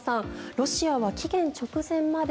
ロシアは期限直前まで